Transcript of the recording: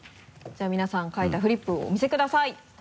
じゃあ皆さん書いたフリップをお見せください。